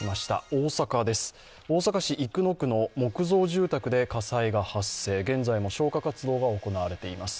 大阪です、大阪市生野区の木造住宅で火災が発生、現在も消火活動が行われています。